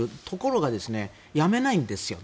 ところが、やめないんです。